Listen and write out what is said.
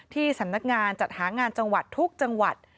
ที่สำนักงานจัดหางานจังหวัดทุกจังหวัด